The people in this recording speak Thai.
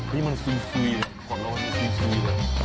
นี่มันซื้อเนี่ยขอบร้อยว่ามันซื้อเลย